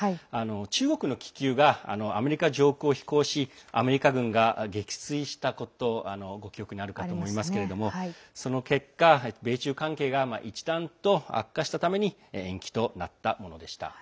中国の気球がアメリカ上空を飛行しアメリカ軍が撃墜したことご記憶にあるかと思いますけどその結果米中関係が一段と悪化したために延期となったものでした。